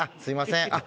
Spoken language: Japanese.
すみません